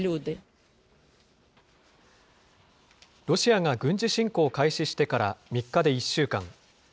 ロシアが軍事侵攻を開始してから３日で１週間。